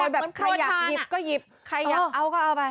แบบใครอยากหยิบก็หยิบใครอยากเอาก็เอาไป